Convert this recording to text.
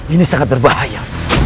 ini sangat berbahaya